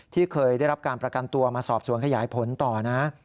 ที่เคยได้รับการประกันตัวมาสอบสวนขยายผลต่อนะ